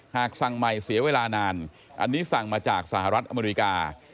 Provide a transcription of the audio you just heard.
หากสั่งใหม่เสียเวลานานอันนี้สั่งมาจากสหรัฐอเมริกา